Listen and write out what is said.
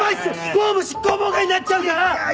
公務執行妨害になっちゃうから！